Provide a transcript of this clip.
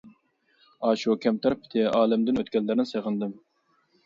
ئاشۇ كەمتەر پېتى ئالەمدىن ئۆتكەنلەرنى سېغىندىم!